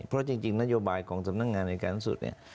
เพราะจริงนโยบายของสำนักงานรายการสูงสุด